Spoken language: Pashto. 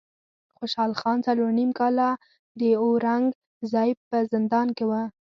خوشحال خان څلور نیم کاله د اورنګ زیب په زندان کې و.